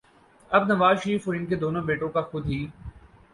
اب نواز شریف اور ان کے دونوں بیٹوں کو خود ہی